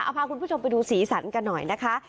เอาพากุญผู้ชมไปดูศีรสรรค์กันหน่อยนะคะ